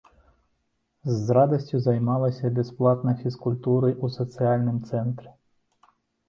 З радасцю займалася бясплатнай фізкультурай у сацыяльным цэнтры.